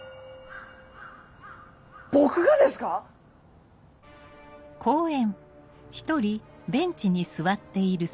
僕がですか⁉はい。